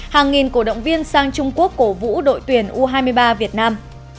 hàng nghìn cổ động viên sang trung quốc cổ vũ đội tuyển u hai mươi ba việt nam